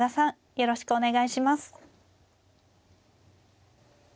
よろしくお願いします。